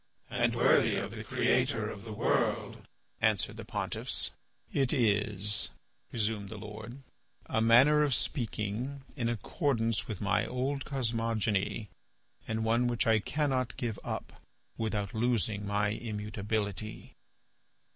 "And worthy of the creator of the world," answered the pontiffs. "It is," resumed the Lord, "a manner of speaking in accordance with my old cosmogony and one which I cannot give up without losing my immutability.